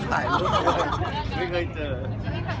คุยคุยกัน